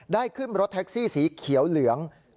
ขึ้นรถแท็กซี่สีเขียวเหลือง